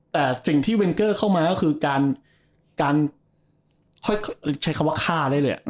แต่สิ่งที่เวนเกอร์เข้ามาก็คือการค่อยใช้คำว่าฆ่าได้เลย